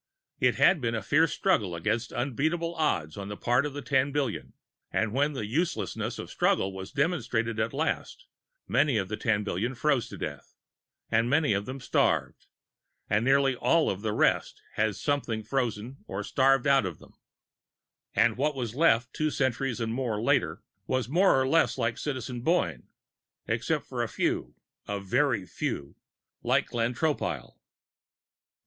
It had been a fierce struggle against unbeatable odds on the part of the ten billion; and when the uselessness of struggle was demonstrated at last, many of the ten billion froze to death, and many of them starved, and nearly all of the rest had something frozen or starved out of them; and what was left, two centuries and more later, was more or less like Citizen Boyne, except for a few a very few like Glenn Tropile.